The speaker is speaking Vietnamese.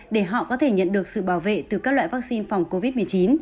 để họ có thể nhận được sự bảo vệ từ các loại vaccine phòng covid một mươi chín